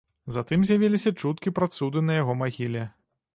Затым з'явіліся чуткі пра цуды на яго магіле.